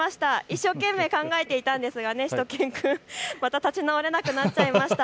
一生懸命考えていたんですがしゅと犬くん、また立ち直れなくなっちゃいました。